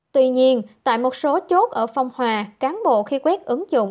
tuy nhiên tại một số chốt ở phong hòa cán bộ khi quét ứng dụng